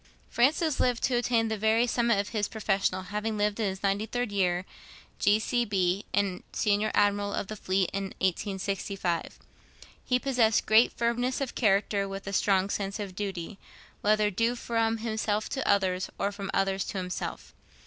Francis lived to attain the very summit of his profession, having died, in his ninety third year, G.C.B. and Senior Admiral of the Fleet, in 1865. He possessed great firmness of character, with a strong sense of duty, whether due from himself to others, or from others to himself.